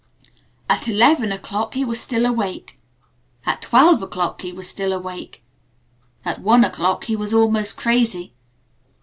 At eleven o'clock he was still awake. At twelve o'clock he was still awake.... At one o'clock he was almost crazy.